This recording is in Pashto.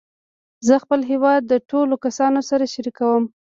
زه خپل هېواد د ټولو کسانو سره شریکوم.